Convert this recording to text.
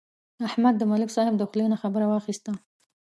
احمد د ملک صاحب د خولې نه خبره واخیسته.